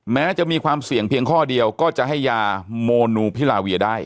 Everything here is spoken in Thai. แม้จะมีความเสี่ยงเพียงข้อเดียวก็จะให้ยาโมนูพิลาเวียได้